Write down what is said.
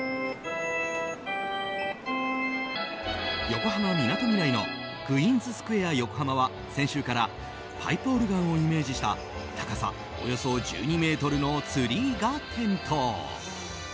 横浜みなとみらいのクイーンズスクエア横浜は先週からパイプオルガンをイメージした高さおよそ１２ｍのツリーが点灯。